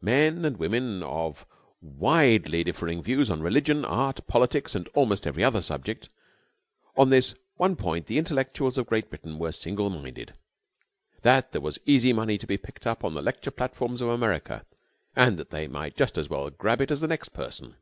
Men and women of widely differing views on religion, art, politics, and almost every other subject; on this one point the intellectuals of Great Britain were single minded, that there was easy money to be picked up on the lecture platforms of America and that they might just as well grab it as the next person.